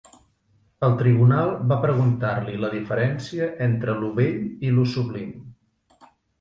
El tribunal va preguntar-li la diferència entre lo bell i lo sublim